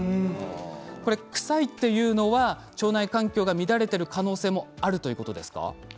臭いというのは腸内環境が乱れている可能性もあるということですか？